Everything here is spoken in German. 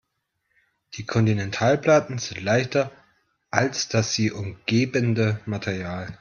Die Kontinentalplatten sind leichter als das sie umgebende Material.